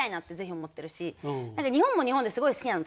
日本も日本ですごい好きなの。